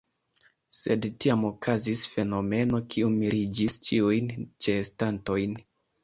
Sed tiam okazis fenomeno, kiu miriĝis ĉiujn ĉeestantojn.